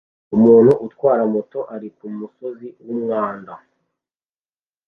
Umuntu utwara moto ari kumusozi wumwanda